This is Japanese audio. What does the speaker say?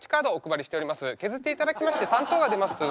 削っていただきまして３等が出ますと。